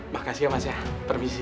makasih ya masnya permisi